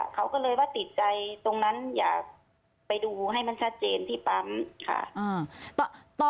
เขาก็เลยว่าติดใจตรงนั้นอยากไปดูให้มันชัดเจนที่ปั๊มค่ะ